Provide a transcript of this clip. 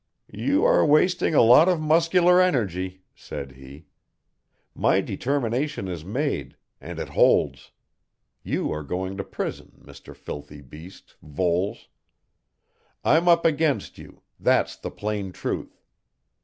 "You are wasting a lot of muscular energy," said he. "My determination is made, and it holds. You are going to prison, Mr. Filthy Beast, Voles. I'm up against you, that's the plain truth.